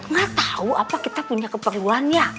gak tahu apa kita punya keperluannya